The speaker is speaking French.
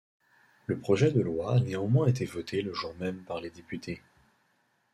Le projet de loi a néanmoins été voté le jour même par les députés.